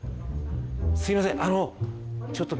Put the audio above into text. すいません。